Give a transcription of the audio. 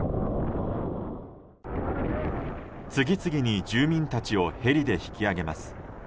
次々に住民たちをヘリで引き上げます。